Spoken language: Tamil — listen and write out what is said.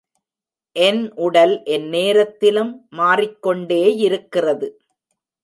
என் உடல் எந்நேரத்திலும் மாறிக்கொண்டேயிருக்கிறது.